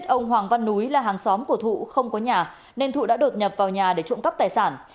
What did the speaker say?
ông hoàng văn núi là hàng xóm của thụ không có nhà nên thụ đã đột nhập vào nhà để trộm cắp tài sản